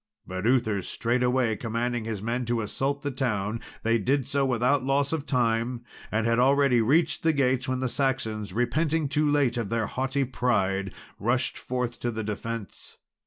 But Uther straightway commanding his men to assault the town, they did so without loss of time, and had already reached the gates, when the Saxons, repenting too late of their haughty pride, rushed forth to the defence.